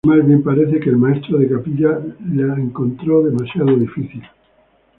Más bien parece que el maestro de capilla la encontró demasiado difícil.